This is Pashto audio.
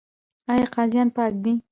آیا قاضیان پاک دي؟